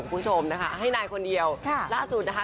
คุณผู้ชมนะคะให้นายคนเดียวค่ะล่าสุดนะคะ